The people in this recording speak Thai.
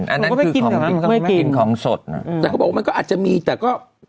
อันนั้นคือของกินของกินของสดน่ะแต่เขาบอกว่ามันก็อาจจะมีแต่ก็